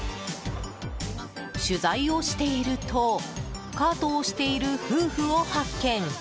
取材をしているとカートを押している夫婦を発見。